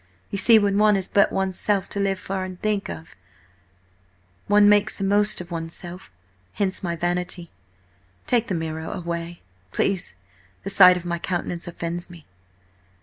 You see, when one has but one's self to live for and think for–one makes the most of one's self! Hence my vanity. Take the mirror away, please–the sight of my countenance offends me!"